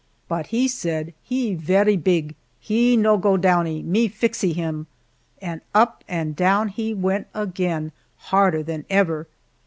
But he said, "He velly blig he no go downee me flixee him," and up and down he went again, harder than ever.